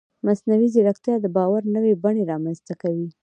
مصنوعي ځیرکتیا د باور نوې بڼې رامنځته کوي.